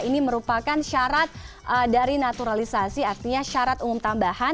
ini merupakan syarat dari naturalisasi artinya syarat umum tambahan